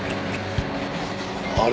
あれ？